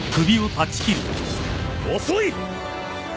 遅い！